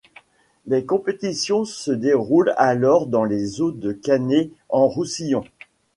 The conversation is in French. Les compétitions se déroulent alors dans les eaux de Canet-en-Roussillon.